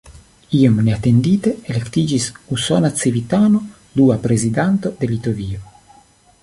Iom neatendite elektiĝis usona civitano dua prezidanto de Litovio.